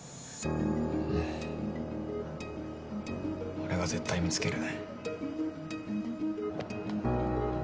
俺が絶対見つける。